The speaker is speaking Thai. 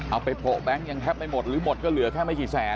เอาไปโปะแบงค์ยังแทบไม่หมดหรือหมดก็เหลือแค่ไม่กี่แสน